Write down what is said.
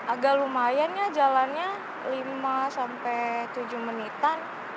agak lumayan ya jalannya lima sampai tujuh menitan